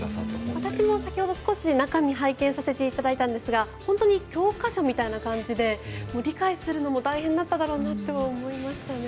私も先ほど少し中身を拝見させていただいたんですが本当に教科書みたいな感じで理解するのも大変だったろうなと思いましたね。